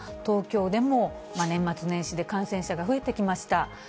東京でも、年末年始で感染者が増えてきました。